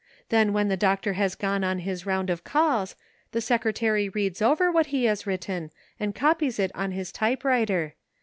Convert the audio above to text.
Then when the doctor has gone on his round of calls, the secretary reads over what he has written, and copies it on his type writer.